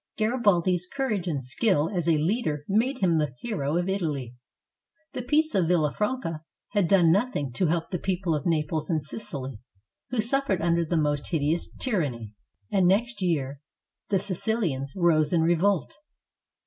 Garibaldi's courage and skill as a leader made him the hero of Italy. The peace of Villafranca had done noth ing to help the people of Naples and Sicily, who suffered under the most hideous tyranny, and next year the Si cilians rose in revolt.